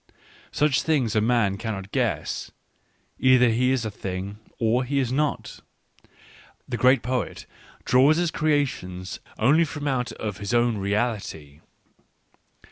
Such things a man cannot guess — he either is the thing, or he is not. The great poet draws his creations only from out of his own reality.